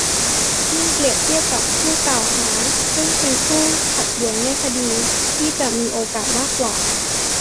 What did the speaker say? ยิ่งเปรียบเทียบกับผู้กล่าวหา ซึ่งเป็นคู่ขัดแย้งในคดี ที่จะมีโอกาสมากกว่า